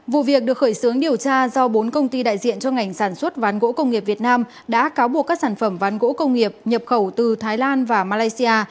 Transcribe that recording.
vụ việc được khởi xướng điều tra do bốn công ty đại diện cho ngành sản xuất ván gỗ công nghiệp việt nam đã cáo buộc các sản phẩm ván gỗ công nghiệp nhập khẩu từ thái lan và malaysia